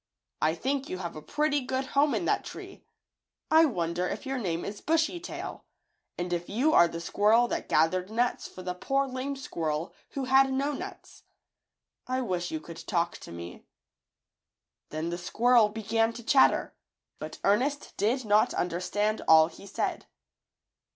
I think you have a pretty good home in that tree. I wonder if your name is Bushy Tail, and if you are the squirrel that gathered nuts for the poor, lame squirrel who had no nuts. I wish you could talk to me." Then the squirrel began to chatter, but Ernest did not understand all he said.